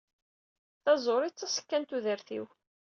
Taẓuri d taṣekka n tudert-iw.